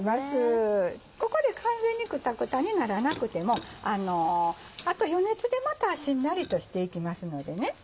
ここで完全にクタクタにならなくても予熱でまたしんなりとしていきますのでね。